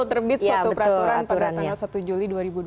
terbit suatu peraturan pada tanggal satu juli dua ribu dua puluh